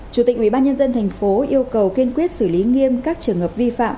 chủ tịch ubnd thành phố yêu cầu kiên quyết xử lý nghiêm các trường hợp vi phạm